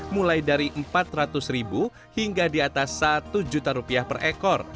mulai dari rp empat ratus hingga di atas rp satu per ekor